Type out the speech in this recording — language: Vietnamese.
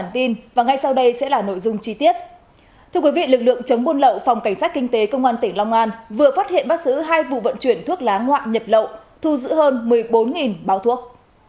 tin vui đối với nhiều doanh nghiệp